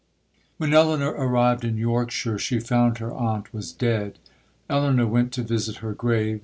'When Elinor arrived in Yorkshire, she found her aunt was dead. Elinor went to visit her grave.